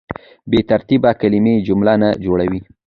بې ترتیبه کلیمې جمله نه جوړوي.